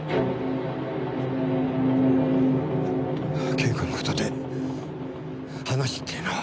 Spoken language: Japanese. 啓子の事で話っていうのは？